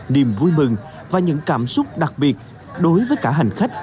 niềm vui mừng và những cảm xúc đặc biệt đối với cả hành khách